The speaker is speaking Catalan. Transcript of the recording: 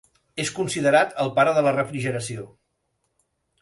És considerat el pare de la refrigeració.